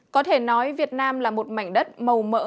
có thể nói việt nam là một mảnh đất màu mỡ